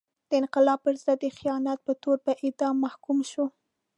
د انقلاب پر ضد د خیانت په تور په اعدام محکوم شو.